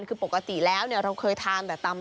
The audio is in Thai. คือปกติแล้วเราเคยทานแต่ตำ